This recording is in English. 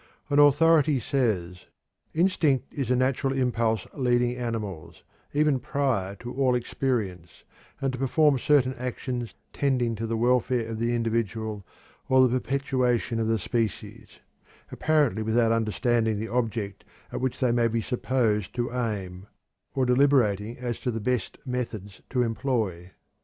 An authority says: "Instinct is a natural impulse leading animals, even prior to all experience, to perform certain actions tending to the welfare of the individual or the perpetuation of the species, apparently without understanding the object at which they may be supposed to aim, or deliberating as to the best methods to employ.